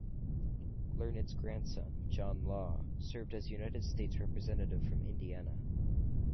Learned's grandson, John Law, served as United States Representative from Indiana.